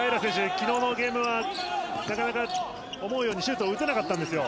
昨日のゲームはなかなか思うようにシュートを打てなかったんですよ。